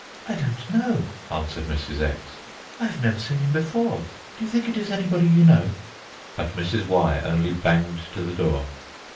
"I don't know," answered Mrs. X., "I have never seen him before. Do you think it is anybody you know?" But Mrs. Y. only banged to the door.